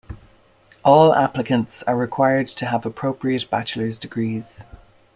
All applicants are required to have appropriate bachelor's degrees.